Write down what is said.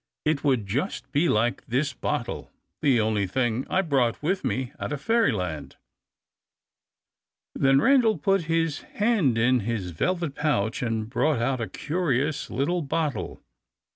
It would just be like this bottle, the only thing I brought with me out of Fairyland." Then Randal put his hand in his velvet pouch, and brought out a curious small bottle.